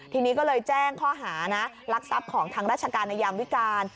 ทีนี้ก็เลยแจ้งข้อหานะลักทรัพย์ของทางราชการในยามวิการ